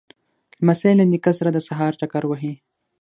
لمسی له نیکه سره د سهار چکر وهي.